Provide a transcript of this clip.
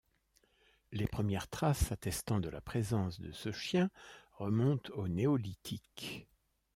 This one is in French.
Les premières traces attestant de la présence de ce chien remontent au néolithique.